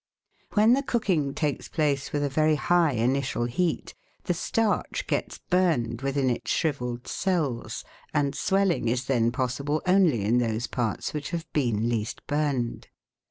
When the cooking takes place with a very high initial heat the starch gets burned within its shrivelled cells, and swelling is then possible only in those parts which have been least burned.